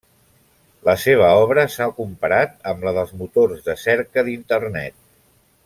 La seva obra s'ha comparat amb la dels motors de cerca d'internet.